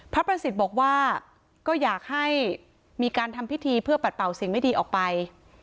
พระประสิทธิ์บอกว่าก็อยากให้มีการทำพิธีเพื่อปัดเป่าสิ่งไม่ดีออกไป